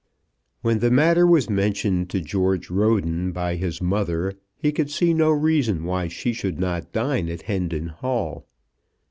When the matter was mentioned to George Roden by his mother he could see no reason why she should not dine at Hendon Hall.